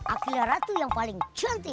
aqilah ratu yang paling cantik